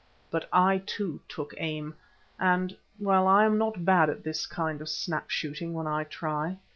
But I too took aim and well, I am not bad at this kind of snap shooting when I try.